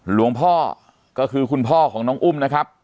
หลวงพ่อก็คือคุณพ่อของน้องอุ้มนะครับ